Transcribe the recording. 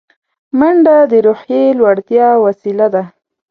منډه د روحیې لوړتیا وسیله ده